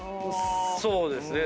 そうですね。